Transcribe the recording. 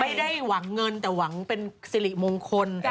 ไม่ได้หวังเงินแต่หวังเป็นสิริมงคล